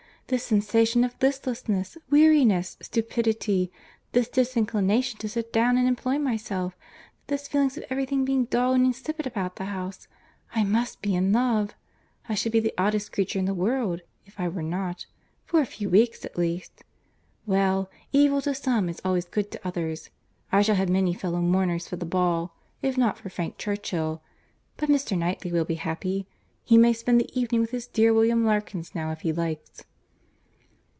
"This sensation of listlessness, weariness, stupidity, this disinclination to sit down and employ myself, this feeling of every thing's being dull and insipid about the house!— I must be in love; I should be the oddest creature in the world if I were not—for a few weeks at least. Well! evil to some is always good to others. I shall have many fellow mourners for the ball, if not for Frank Churchill; but Mr. Knightley will be happy. He may spend the evening with his dear William Larkins now if he likes."